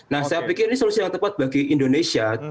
nah saya pikir ini solusi yang tepat bagi indonesia